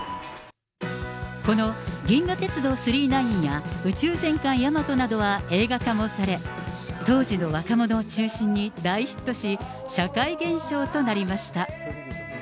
この銀河鉄道９９９や宇宙戦艦ヤマトなどは映画化もされ、当時の若者を中心に大ヒットし、社会現象となりました。